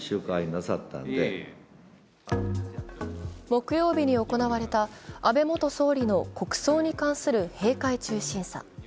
木曜日に行われた安倍元総理の国葬に関する閉会中審査。